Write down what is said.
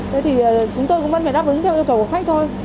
thế thì chúng tôi cũng vẫn phải đáp ứng theo yêu cầu của khách thôi